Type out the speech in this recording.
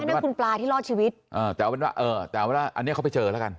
นั่นคุณปลาที่รอดชีวิตอ่าแต่เอาเป็นว่าเออแต่ว่าอันนี้เขาไปเจอแล้วกัน